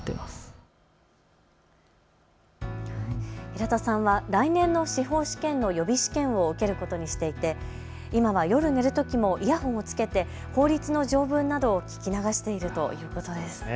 平田さんは来年の司法試験の予備試験を受けることにしていて今は夜寝るときもイヤホンを着けて法律の条文などを聞き流しているということです。